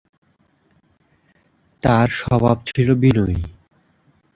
তার স্বভাব ছিল বিনয়ী।